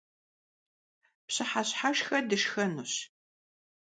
Pşıheşheşşxe dışşxenuş.